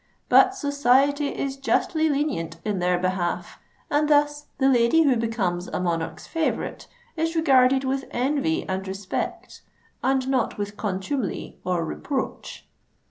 But society is justly lenient in their behalf; and thus the lady who becomes a monarch's favourite, is regarded with envy and respect, and not with contumely or reproach."